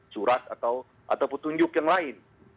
surat atau petunjuk yang lain